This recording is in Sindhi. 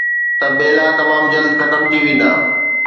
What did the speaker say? ته ٻيلا تمام جلد ختم ٿي ويندا.